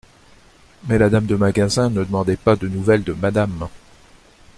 Mais la dame de magasin ne demandait pas de nouvelles de madame.